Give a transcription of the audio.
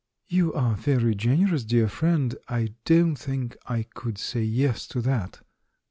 "You are very generous, dear friend; I don't think I could say 'yes' to that."